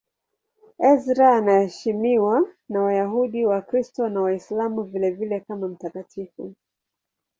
Ezra anaheshimiwa na Wayahudi, Wakristo na Waislamu vilevile kama mtakatifu.